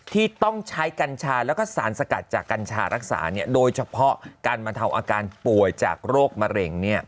ที่ต้องใช้กัญชาแล้วก็สารสกัดจากกัญชารักษาโดยเฉพาะการบรรเทาอาการป่วยจากโรคมะเร็ง